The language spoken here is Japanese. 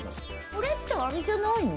これってあれじゃないの？